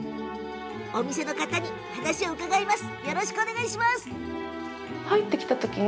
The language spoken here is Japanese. お店の方に、お話を伺います。